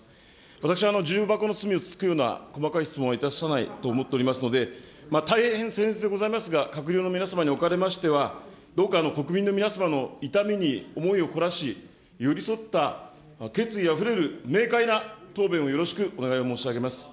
私は重箱の隅をつつくような細かい質問はいたさないと思っておりますので、大変せんえつでございますが、閣僚の皆様におかれましては、どうか国民の皆様の痛みに思いを凝らし、寄り添った決意あふれる明快な答弁をよろしくお願いを申し上げます。